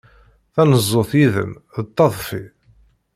Tanezzut yid-m d taḍfi.